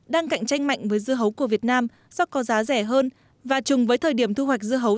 đang cạnh tranh mạnh với dưa hấu của việt nam do có giá rẻ hơn và chung với thời điểm thu hoạch dưa hấu